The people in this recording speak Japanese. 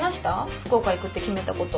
福岡行くって決めたこと。